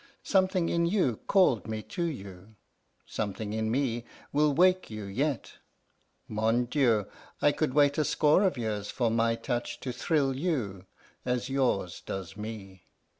Something in you called me to you, something in me will wake you yet. Mon Dieu, I could wait a score of years for my touch to thrill you as yours does me!